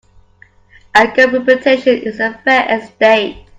A good reputation is a fair estate.